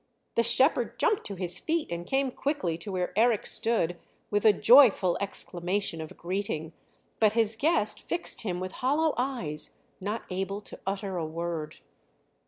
The shepherd jumped to his feet and came quickly to where Eric stood with a joyful exclamation of greeting; but his guest fixed him with hollow eyes not able to utter a word.